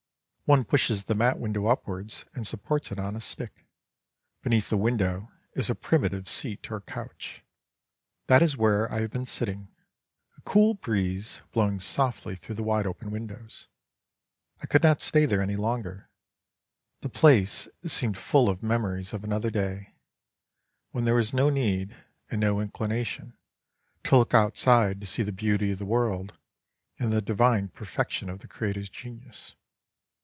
One pushes the mat window upwards and supports it on a stick, beneath the window is a primitive seat or couch. That is where I have been sitting, a cool breeze blowing softly through the wide open windows. I could not stay there any longer, the place seemed full of memories of another day, when there was no need, and no inclination, to look outside to see the beauty of the world and the divine perfection of the Creator's genius.